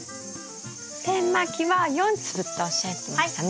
点まきは４粒っておっしゃってましたね。